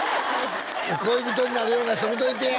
恋人になるような人見といてや！